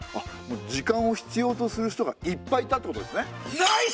時間を必要とする人がいっぱいいたってことですね。